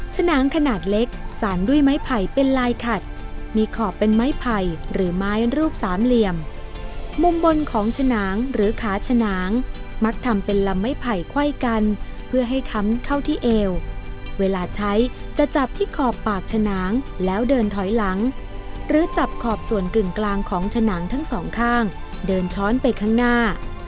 ฉนางขนาดเล็กสารด้วยไม้ไผ่เป็นลายขัดมีขอบเป็นไม้ไผ่หรือไม้รูปสามเหลี่ยมมุมบนของฉนางหรือขาฉนางมักทำเป็นลำไม้ไผ่ไขว้กันเพื่อให้ค้ำเข้าที่เอวเวลาใช้จะจับที่ขอบปากฉนางแล้วเดินถอยหลังหรือจับขอบส่วนกึ่งกลางของฉนางทั้งสองข้างเดินช้อนไปข้างหน้า